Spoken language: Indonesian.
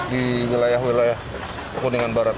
di wilayah wilayah kuningan barat